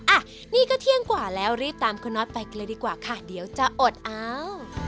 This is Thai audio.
อ่ะนี่ก็เที่ยงกว่าแล้วรีบตามคุณน็อตไปกันเลยดีกว่าค่ะเดี๋ยวจะอดอ้าว